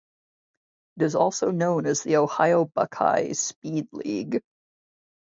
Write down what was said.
It is also known as the Ohio Buckeye Speed League.